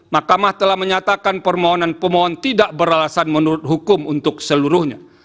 mahkamah telah menyatakan permohonan pemohon tidak beralasan menurut hukum untuk seluruhnya